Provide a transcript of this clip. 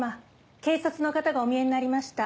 警察の方がお見えになりました。